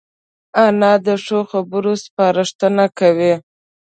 انا د ښو خبرو سپارښتنه کوي